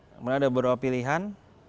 kemudian ada beberapa pilihan